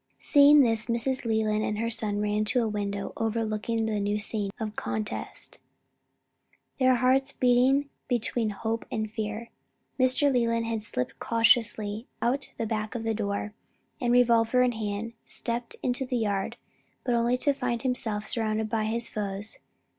Seeing this, Mrs. Leland and her son ran to a window overlooking the new scene of contest, their hearts beating between hope and fear. Mr. Leland had slipped cautiously out of the back door, and, revolver in hand, stepped into the yard, but only to find himself surrounded by his foes.